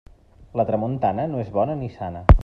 La tramuntana no és bona ni sana.